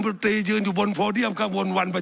สับขาหลอกกันไปสับขาหลอกกันไป